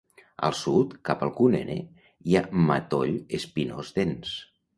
Al sud cap al Kunene hi ha matoll espinós dens.